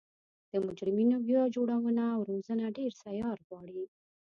د مجرمینو بیا جوړونه او روزنه ډیر ځیار غواړي